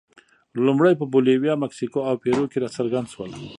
لومړی په بولیویا، مکسیکو او پیرو کې راڅرګند شول.